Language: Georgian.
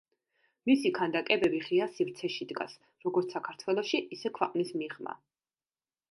მისი ქანდაკებები ღია სივრცეში დგას როგორც საქართველოში, ისე ქვეყნის მიღმა.